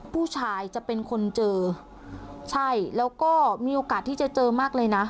ผู้ชายจะเป็นคนเจอใช่แล้วก็มีโอกาสที่จะเจอมากเลยนะ